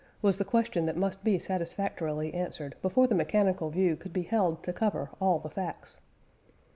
was the question that must be satisfactorily answered before the mechanical view could be held to cover all the facts.